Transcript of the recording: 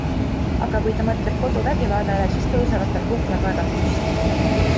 Aga kui ta mõtleb koduvägivallale, siis tõusevad tal kuklakarvad püsti.